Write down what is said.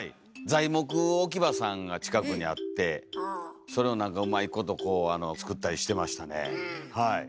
材木置き場さんが近くにあってそれを何かうまいことこうあの作ったりしてましたね。